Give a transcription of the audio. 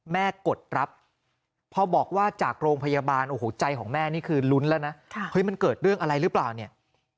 กดรับพอบอกว่าจากโรงพยาบาลโอ้โหใจของแม่นี่คือลุ้นแล้วนะเฮ้ยมันเกิดเรื่องอะไรหรือเปล่าเนี่ย